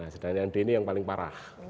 sedangkan yang d ini yang paling parah